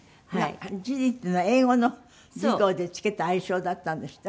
ジュディっていうのは英語の授業で付けた愛称だったんですって？